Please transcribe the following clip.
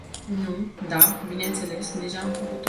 Nu, da, bineînțeles, deja am făcut-o.